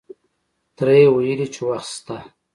تره یې ویلې چې وخت شته.